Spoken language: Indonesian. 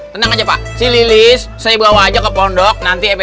tenang aja pak si lilis saya bawa aja ke pondok nanti